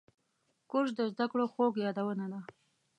کورس د زده کړو خوږ یادونه ده.